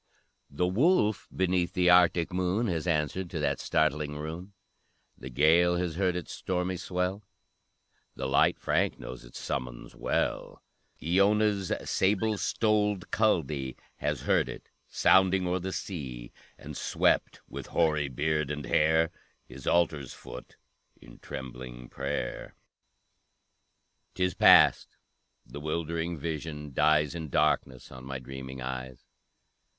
The wolf beneath the Arctic moon Has answered to that startling rune; The Gael has heard its stormy swell, The light Frank knows its summons well; Iona's sable stoled Culdee Has heard it sounding o'er the sea, And swept, with hoary beard and hair, His altar's foot in trembling prayer! 'Tis past, the 'wildering vision dies In darkness on my dreaming eyes!